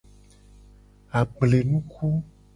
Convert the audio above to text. Agblenuku.